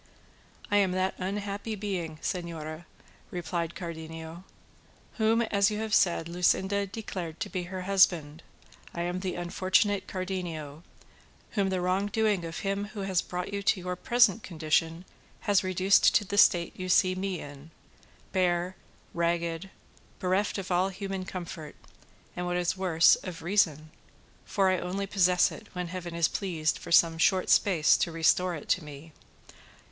"I am that unhappy being, señora," replied Cardenio, "whom, as you have said, Luscinda declared to be her husband; I am the unfortunate Cardenio, whom the wrong doing of him who has brought you to your present condition has reduced to the state you see me in, bare, ragged, bereft of all human comfort, and what is worse, of reason, for I only possess it when Heaven is pleased for some short space to restore it to me.